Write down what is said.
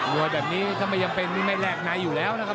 วยแบบนี้ถ้าไม่จำเป็นนี่ไม่แลกในอยู่แล้วนะครับ